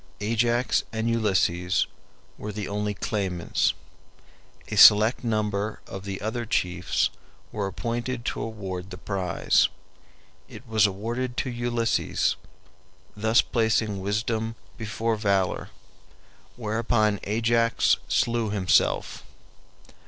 Ajax and Ulysses were the only claimants; a select number of the other chiefs were appointed to award the prize. It was awarded to Ulysses, thus placing wisdom before valor; whereupon Ajax slew himself.